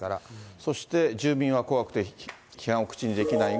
そして住民は怖くて批判を口にできないが。